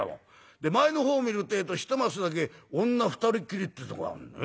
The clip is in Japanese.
で前のほう見るってえと一升だけ女二人っきりってとこがあるんだ。